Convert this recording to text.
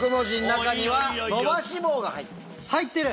入ってる！